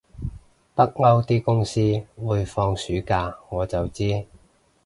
北歐啲公司會放暑假我就知